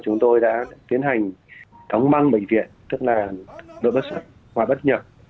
chúng tôi đã tiến hành tóng măng bệnh viện tức là đổi bất xác hoạt bất nhập